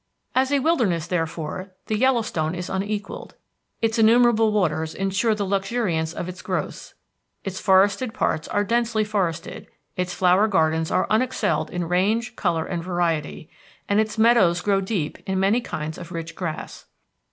As a wilderness, therefore, the Yellowstone is unequalled. Its innumerable waters insure the luxuriance of its growths. Its forested parts are densely forested; its flower gardens are unexcelled in range, color, and variety, and its meadows grow deep in many kinds of rich grass.